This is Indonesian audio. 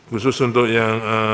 khusus untuk yang